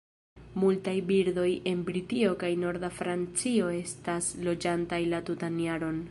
Multaj birdoj en Britio kaj norda Francio estas loĝantaj la tutan jaron.